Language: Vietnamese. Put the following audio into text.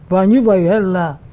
và như vậy là